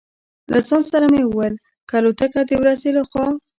له ځان سره مې وویل: که الوتکه د ورځې له خوا.